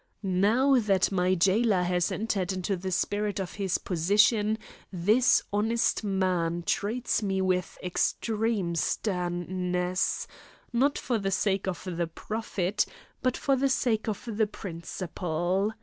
Now that my jailer has entered into the spirit of his position this honest man treats me with extreme sternness, not for the sake of the profit but for the sake of the principle.